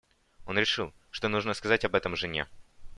Он решил, что нужно сказать об этом жене.